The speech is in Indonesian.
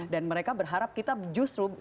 dan mereka berharap kita justru